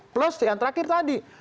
plus yang terakhir tadi